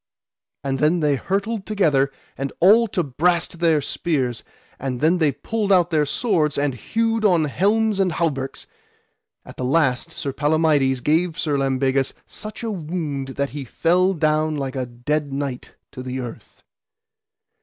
And then they hurtled together and all to brast their spears, and then they pulled out their swords, and hewed on helms and hauberks. At the last Sir Palamides gave Sir Lambegus such a wound that he fell down like a dead knight to the earth.